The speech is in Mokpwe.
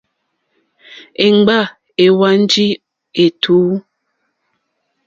Èmgbâ èhwánjì ètùú.